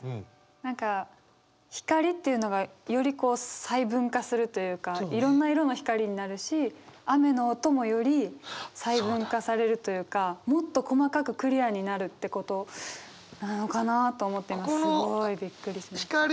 何か光というのがより細分化するというかいろんな色の光になるし雨の音もより細分化されるというかもっと細かくクリアになるってことなのかなと思って今すごいびっくりしました。